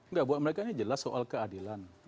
enggak buat mereka ini jelas soal keadilan